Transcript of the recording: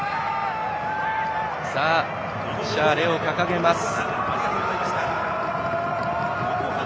さあ、シャーレを掲げます。